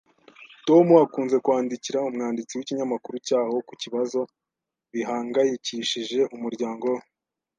Tom akunze kwandikira umwanditsi w'ikinyamakuru cyaho ku bibazo bihangayikishije umuryango we.